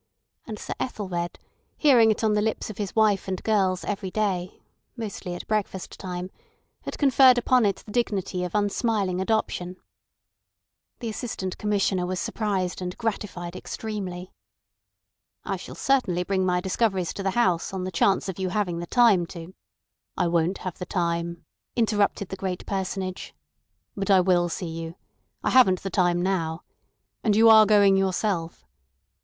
And Sir Ethelred, hearing it on the lips of his wife and girls every day (mostly at breakfast time), had conferred upon it the dignity of unsmiling adoption. The Assistant Commissioner was surprised and gratified extremely. "I shall certainly bring my discoveries to the House on the chance of you having the time to—" "I won't have the time," interrupted the great Personage. "But I will see you. I haven't the time now—And you are going yourself?"